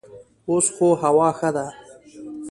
اوس خو هوا ښه ده.